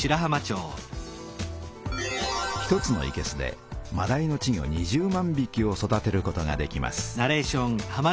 １つのいけすでまだいの稚魚２０万びきを育てることができます。